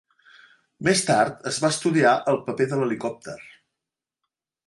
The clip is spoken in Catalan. Més tard es va estudiar el paper de l'helicòpter.